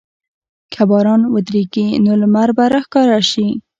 که باران ودریږي، نو لمر به راښکاره شي.